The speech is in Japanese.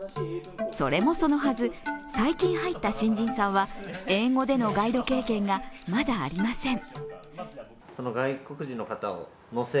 それもそのはず、最近入った新人さんは英語でのガイド経験がまだありません。